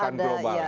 harus ada ya